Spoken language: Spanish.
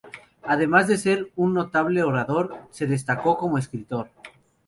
Además de ser un notable orador, se destacó como escritor.